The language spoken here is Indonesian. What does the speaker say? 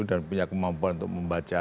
dan punya kemampuan untuk membaca